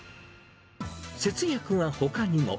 節約はほかにも。